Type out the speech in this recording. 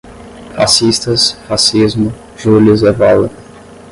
Fascistas, fascismo, Julius Evola